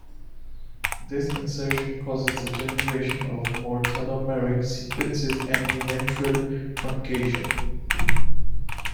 This insertion causes the generation of more telomeric sequences and eventual truncation.